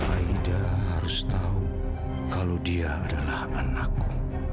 aida harus tahu kalau dia adalah anakku